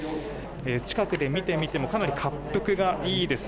近くで見てみてもかなり恰幅がいいですね。